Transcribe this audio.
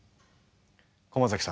駒崎さん